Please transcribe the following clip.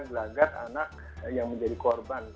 gelagat anak yang menjadi korban